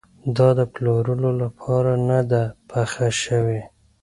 دا د پلورلو لپاره نه ده پخه شوې.